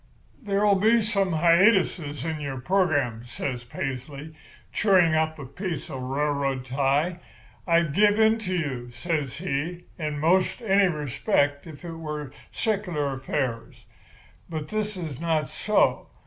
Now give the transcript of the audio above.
"'There'll be some hiatuses in your program,' says Paisley, chewing up a piece of a railroad tie. 'I'd give in to you,' says he, 'in 'most any respect if it was secular affairs, but this is not so.